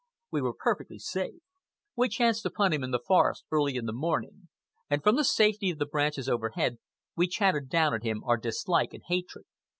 We were perfectly safe. We chanced upon him in the forest, early in the morning, and from the safety of the branches overhead we chattered down at him our dislike and hatred.